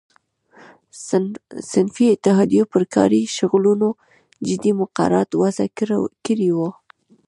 صنفي اتحادیو پر کاري شغلونو جدي مقررات وضع کړي وو.